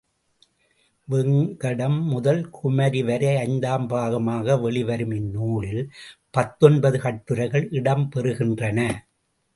வேங்கடம் முதல் குமரி வரை ஐந்தாம் பாகமாக வெளிவரும் இந்நூலில் பத்தொன்பது கட்டுரைகள் இடம் பெறுகின்றன.